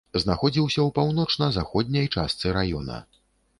Знаходзіўся ў паўночна-заходняй частцы раёна.